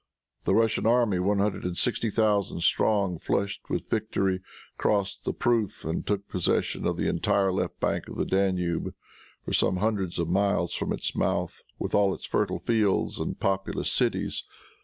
The Russian army, one hundred and sixty thousand strong, flushed with victory, crossed the Pruth and took possession of the entire left bank of the Danube, for some hundreds of miles from its mouth, with all its fertile fields and populous cities.